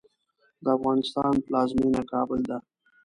د افغانستان پلازمېنه کابل ده